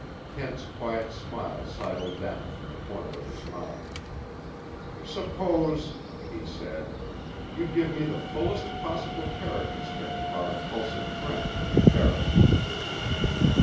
Kent's quiet smile sidled down from the corner of his mouth. "Suppose," he said, "you give me the fullest possible character sketch of our impulsive friend, the sheriff."